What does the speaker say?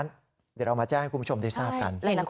เดี๋ยวเรามาแจ้งให้คุณผู้ชมได้ทราบกัน